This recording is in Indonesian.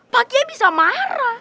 pak kia bisa marah